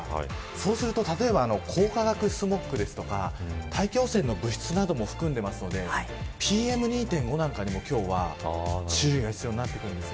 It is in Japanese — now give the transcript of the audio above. そうすると例えば光化学スモッグですとか大気汚染の物質なども含んでいますのでＰＭ２．５なんかにも今日は注意が必要になってきます。